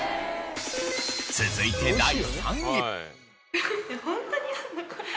続いて第３位。